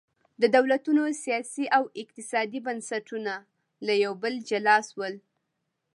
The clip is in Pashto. د دولتونو سیاسي او اقتصادي بنسټونه له یو بل جلا شول.